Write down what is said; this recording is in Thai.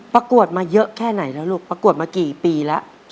ประกวดมาเยอะแค่ไหนแล้วลูกประกวดมากี่ปีแล้ว